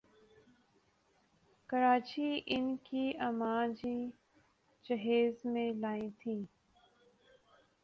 کراچی ان کی اماں جی جہیز میں لائیں تھیں ۔